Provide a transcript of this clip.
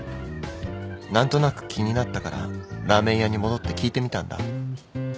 何となく気になったからラーメン屋に戻って聞いてみたんだ。